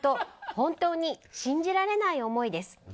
本当に信じられない思いです。